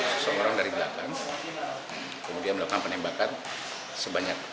seseorang dari belakang kemudian melakukan penembakan sebanyak